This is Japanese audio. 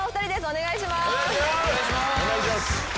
お願いします。